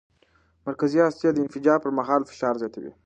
مرکزي هستي د انفجار پر مهال فشار زیاتوي.